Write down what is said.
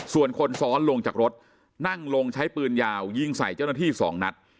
ส่วนคนซ้อนลงจากรถนั่งลงใช้ปืนยาวยิงใส่เจ้าหน้าที่๒นัด